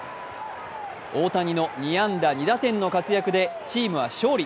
大谷の２安打２打点の活躍でチームは勝利。